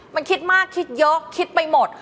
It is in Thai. มันคิดมากคิดเยอะคิดไปหมด